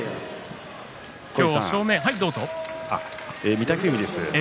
御嶽海です。